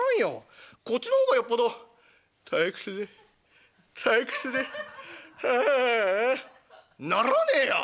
こっちの方がよっぽど退屈で退屈でふああならねえや！」。